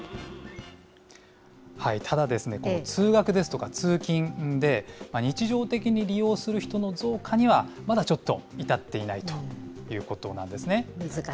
ただですね、通学ですとか通勤で、日常的に利用する人の増加には、まだちょっといたっていないということなんですね。